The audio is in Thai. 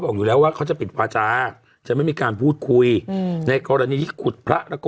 บอกอยู่แล้วว่าเขาจะปิดวาจาจะไม่มีการพูดคุยอืมในกรณีที่ขุดพระแล้วก็